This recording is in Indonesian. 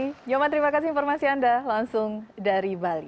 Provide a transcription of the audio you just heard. jangan lupa terima kasih informasi anda langsung dari bali